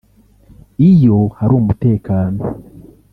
Iyo hari umutekano